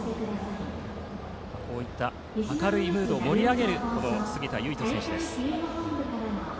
こういった明るいムードで盛り上げる、杉田結翔選手です。